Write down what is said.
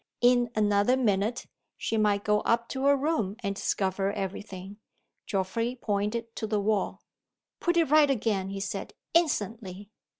In another minute, she might go up to her room, and discover every thing. Geoffrey pointed to the wall. "Put it right again," he said. "Instantly!"